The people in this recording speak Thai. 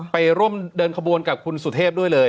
ไปร่วมเดินขบวนกับคุณสุเทพด้วยเลย